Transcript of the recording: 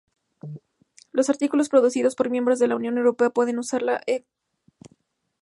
Los artículo producidos por miembros de la Unión Europea pueden usar la eco-etiqueta europea.